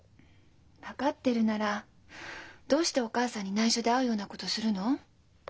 分かってるならどうしてお母さんにないしょで会うようなことするの？